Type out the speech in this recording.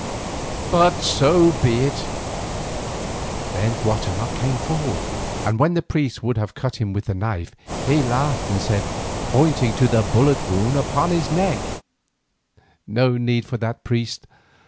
But so be it." Then Guatemoc came forward, and when the priest would have cut him with the knife, he laughed and said, pointing to the bullet wound upon his neck: "No need for that, priest.